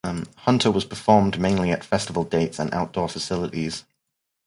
"Hunter" was performed mainly at festival dates and outdoor facilities.